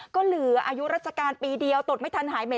ก็เหลืออายุราชการปีเดียวตรวจไม่ทันหายเหม็